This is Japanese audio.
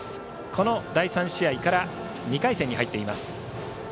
この第３試合から２回戦に入っています。